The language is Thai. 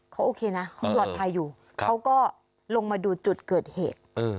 เขาโอเคนะเขาปลอดภัยอยู่เขาก็ลงมาดูจุดเกิดเหตุ